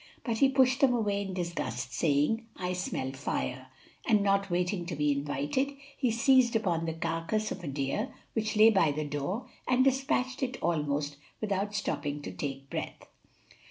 But he pushed them away in disgust, saying, "I smell fire"; and not waiting to be invited, he seized upon the carcass of a deer which lay by the door and despatched it almost without stopping to take breath.